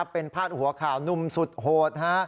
เป็นพาดหัวข่าวหนุ่มสุดโหด